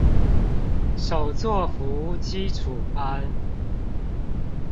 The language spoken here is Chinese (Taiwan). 手作服基礎班